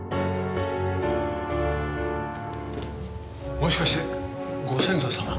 もしかしてご先祖様？